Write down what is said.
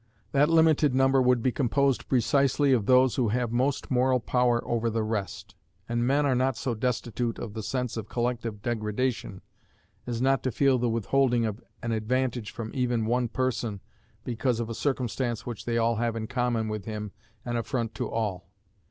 That limited number would be composed precisely of those who have most moral power over the rest; and men are not so destitute of the sense of collective degradation as not to feel the withholding of an advantage from even one person, because of a circumstance which they all have in common with him, an affront to all.